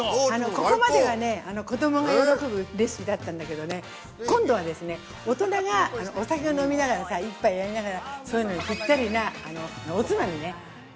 ◆ここまではね、子供が喜ぶレシピだったんだけどね。今度はですね、大人がお酒を飲みながらさ一杯やりながらそういうのにぴったりなおつまみね。